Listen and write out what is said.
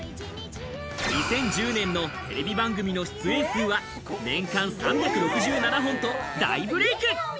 ２０１０年のテレビ番組の出演数は年間３６７本と大ブレイク。